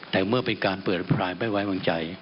แต่เมื่อเป็นการเปิดอภรายไม่ไว้วางใจ